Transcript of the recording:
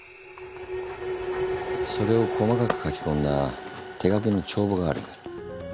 それを細かく書き込んだ手書きの帳簿がある。